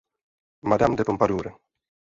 Madame de Pompadour.